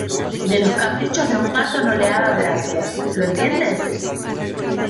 de los caprichos de un pato no le haga gracia. ¿ lo entiendes?